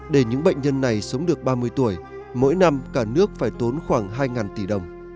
để những bệnh nhân này sống được ba mươi tuổi mỗi năm cả nước phải tốn khoảng hai tỷ đồng